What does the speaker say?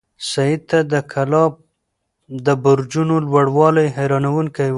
سعید ته د کلا د برجونو لوړوالی حیرانونکی و.